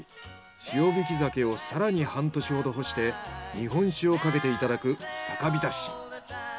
塩引き鮭を更に半年ほど干して日本酒をかけていただく酒びたし。